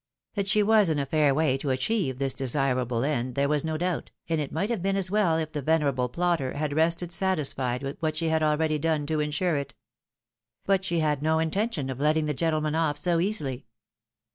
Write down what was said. That she was in a fair way to achieve this desirable end there was no doubt, and it might have been as well if the venerable plotter had rested satisfied with what she had already done to insure it. But she had no intention of letting the gentleman ofl:' so easily.